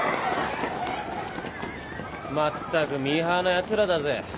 全くミーハーなヤツらだぜ。